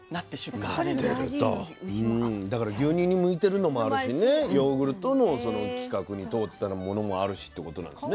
だから牛乳に向いてるのもあるしねヨーグルトのその規格に通ったものもあるしってことなんですね。